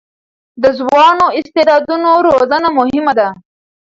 د ځوانو استعدادونو روزنه مهمه ده.